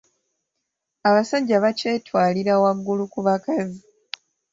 Abasajja bakyetwalira waggulu ku bakazi.